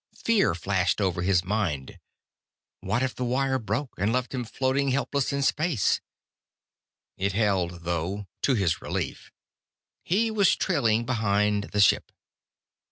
Fear flashed over his mind; what if the wire broke, and left him floating helpless in space? It held, though, to his relief. He was trailing behind the ship.